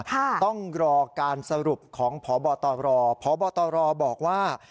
ต้องรอการสรุปของพบตรพบตรบอกว่า